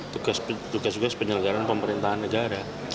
tugas tugas penyelenggaran pemerintahan negara